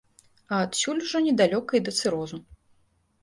А адсюль ужо недалёка і да цырозу.